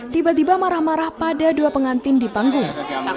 tiba tiba marah marah pada dua pengantin di panggung